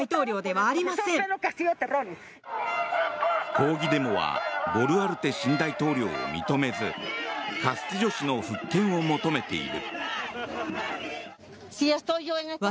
抗議デモはボルアルテ新大統領を認めずカスティジョ氏の復権を求めている。